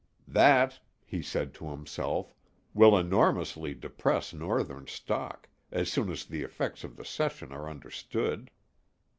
"That," he said to himself, "will enormously depress Northern stock, as soon as the effects of the cession are understood.